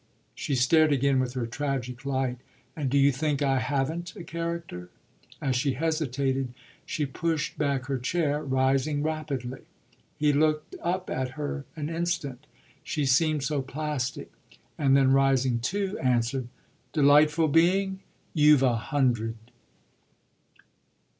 She stared again with her tragic light. "And do you think I haven't a character?" As he hesitated she pushed back her chair, rising rapidly. He looked up at her an instant she seemed so "plastic"; and then rising too answered: "Delightful being, you've a hundred!"